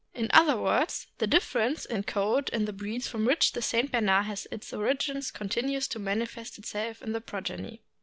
In other words, the difference in coat in the breeds from which the St. Bernard has its origin continues to mani fest itself in the progeny.